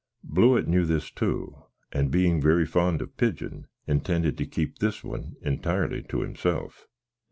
Blewitt knew this too; and bein very fond of pidgin, intended to keep this one entirely to himself.